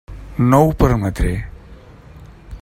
No ho permetré.